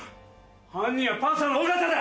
犯人はパンサーの尾形だ！